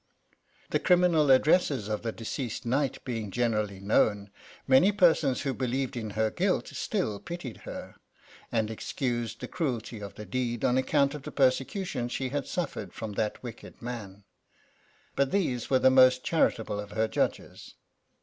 The criminal addresses of the deceased kniyht being generally known, many persons who believed in her guilt still pitied her, and excused the cruelty of the deed on account of the persecution she had suftered from that wicked man :— but these were the most charitable of her judges.